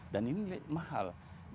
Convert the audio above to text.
dan ini mahal